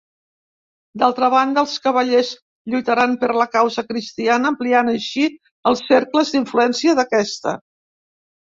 D'altra banda, els cavallers lluitaran per la causa cristiana, ampliant així els cercles d'influència d'aquesta.